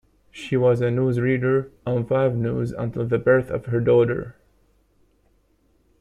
She was a newsreader on "Five News", until the birth of her daughter.